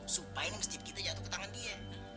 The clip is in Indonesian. supaya nongsi jit kita jatuh ke tangan dia